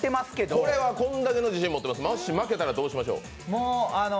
これだけの自信を持っていますが、負けたらどうしましょう？